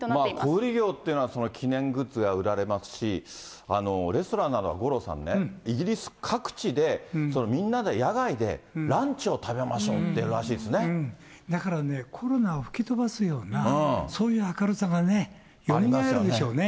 小売業っていうのは、記念グッズが売られますし、レストランなどは、五郎さんね、イギリス各地でみんなで野外でランチを食べましょうって、やるらだからね、コロナを吹き飛ばすような、そういう明るさがね、よみがえるでしょうね。